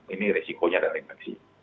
ini resikonya ada infeksi